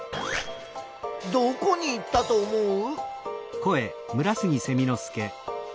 どこにいったと思う？